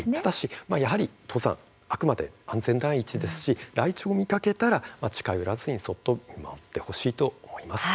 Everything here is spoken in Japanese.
登山はあくまで安全第一ですしライチョウを見かけたら近寄らずにそっと見守ってほしいと思います。